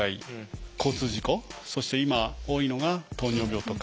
そして今多いのが糖尿病とか。